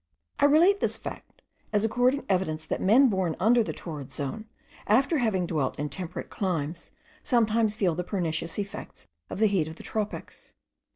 I relate this fact as affording evidence that men born under the torrid zone, after having dwelt in temperate climates, sometimes feel the pernicious effects of the heat of the tropics.